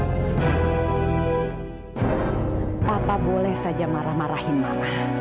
papa boleh saja marah marahin mama